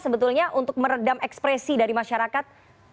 sebetulnya untuk meredam ekspresi dari masyarakat